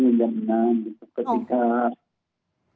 iya berangkat dari rumah